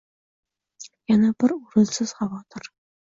Yana bir o‘rinsiz xavotir